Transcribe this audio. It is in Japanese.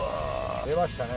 出ましたね。